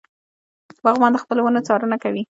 باغبان د خپلو ونو څارنه کوي.